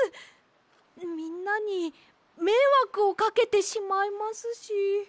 みんなにめいわくをかけてしまいますし。